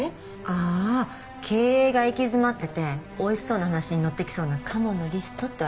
ああ経営が行き詰まってておいしそうな話に乗ってきそうなカモのリストってわけね。